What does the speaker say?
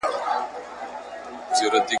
د ښکاري او د مېرمني ورته پام سو !.